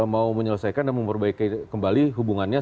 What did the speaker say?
mau menyelesaikan dan memperbaiki kembali hubungannya